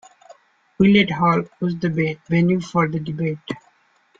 Willett Hall was the venue for the debate.